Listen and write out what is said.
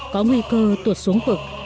có nguy cơ tuột xuống cực